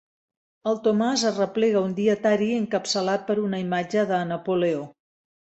El Tomàs arreplega un dietari encapçalat per una imatge de Napoleó.